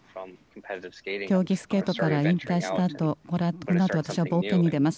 競技スケートから引退したあと、このあと、私は冒険に出ます。